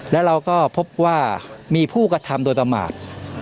และเราก็พบว่ามีผู้กระทำโดยประมาท